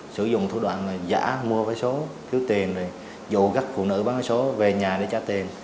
sử dụng thủ đoạn giả mua máy số đưa tiền dồ gắt phụ nữ bán máy số về nhà để trả tiền